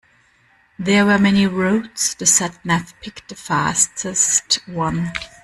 There were many routes, the sat-nav picked the fastest one.